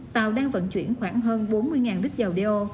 tàu đang vận chuyển khoảng hơn bốn mươi lít dầu đeo